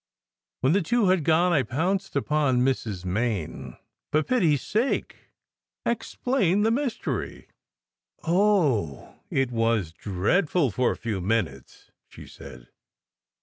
When the two had gone, I pounced upon Mrs. Main. "For pity s sake, explain the mystery!" "Oh, it was dreadful for a few minutes," she said.